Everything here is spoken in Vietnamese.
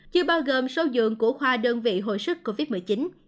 chưa bao gồm sâu dường của khoa đơn vị hồi sức covid một mươi chín